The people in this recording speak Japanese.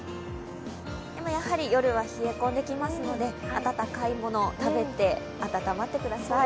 でもやはり、夜は冷え込んできますので、あたたかいものを食べて温まってください。